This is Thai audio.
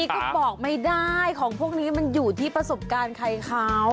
ก็บอกไม่ได้ของพวกนี้มันอยู่ที่ประสบการณ์ใครเขา